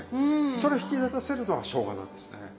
それを引き立たせるのがしょうがなんですね。